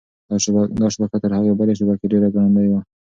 دا شبکه تر هغې بلې شبکې ډېره ګړندۍ ده.